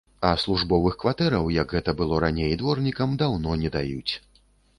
А службовых кватэраў, як гэта было раней, дворнікам даўно не даюць.